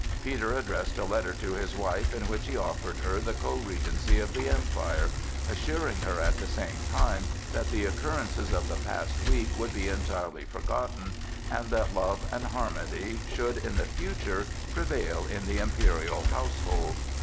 Peter addressed a letter to his wife in which he offered her the co regency of the Empire, assuring her at the same time that the occurrences of the past week should be entirely forgotten and that love and harmony should in the future prevail in the imperial household.